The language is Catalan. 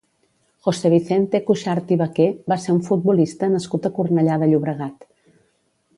José Vicente Cuxart i Vaquer va ser un futbolista nascut a Cornellà de Llobregat.